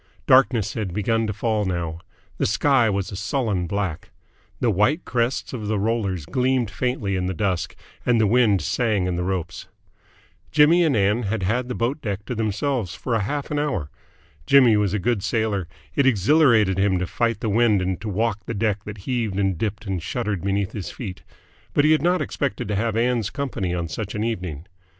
Darkness had begun to fall now. The sky was a sullen black. The white crests of the rollers gleamed faintly in the dusk, and the wind sang in the ropes. Jimmy and Ann had had the boat deck to themselves for half an hour. Jimmy was a good sailor: it exhilarated him to fight the wind and to walk a deck that heaved and dipped and shuddered beneath his feet; but he had not expected to have Ann's company on such an evening.